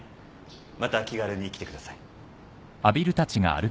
また気軽に来てください。